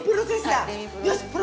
よし！